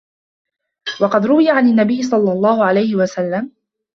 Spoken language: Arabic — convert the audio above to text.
وَقَدْ رُوِيَ عَنْ النَّبِيِّ صَلَّى